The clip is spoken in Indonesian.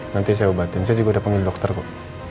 nanti saya obatin saya juga udah panggil dokter kok